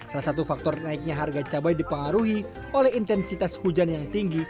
salah satu faktor naiknya harga cabai dipengaruhi oleh intensitas hujan yang tinggi